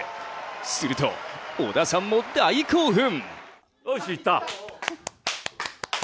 すると、織田さんも大興奮。